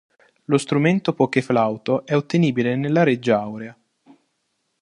Lo strumento Poké Flauto è ottenibile nella Reggia Aurea.